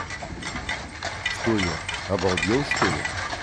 Что я, обалдел что ли?